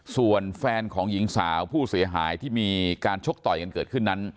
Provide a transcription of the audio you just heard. ส่วนแฟนของหญิงสาวผู้เสียหายที่มีการชกต่อยกันเกิดขึ้นนั้น